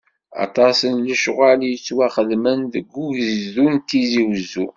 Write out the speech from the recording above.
Aṭas n lecɣal yettwaxedmen deg ugezdu n Tizi Uzzu.